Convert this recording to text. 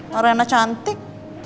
karena rena cantik